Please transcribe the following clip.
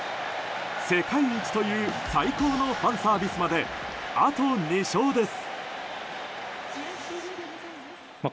世界一という最高のファンサービスまであと２勝です。